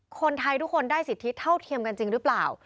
คนไทยทุกคนได้สิทธิเท่าเทียมกันจริงหรือเปล่า